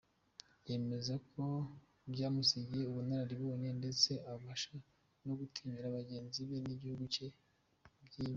Yemeza ko byamusigiye ubunararibonye ndetse abasha no gutinyura bagenzi be n’igihugu cye kibyungukiramo.